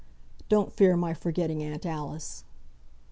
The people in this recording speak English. Don't fear my forgetting Aunt Alice."